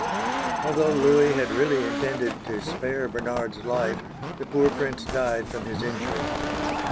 Although Louis had really intended to spare Bernard's life, the poor prince died from his injuries.